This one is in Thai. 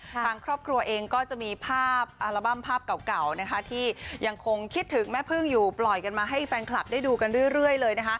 ทางครอบครัวเองก็จะมีภาพอัลบั้มภาพเก่าที่ยังคงคิดถึงแม่พึ่งอยู่ปล่อยกันมาให้แฟนคลับได้ดูกันเรื่อยเลย